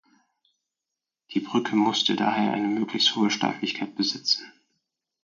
Die Brücke musste daher eine möglichst hohe Steifigkeit besitzen.